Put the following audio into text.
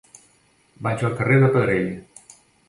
Vaig al carrer de Pedrell.